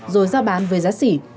rồi giao bán với giá sỉ